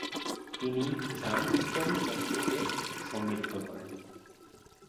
তিনি গ্ঝান-স্তোং তত্ত্বকে সমৃদ্ধ করেন।